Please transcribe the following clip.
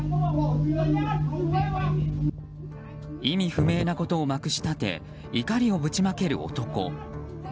意味不明なことをまくし立て怒りをぶちまける男。